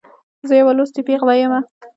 زه یوه لوستې پیغله يمه.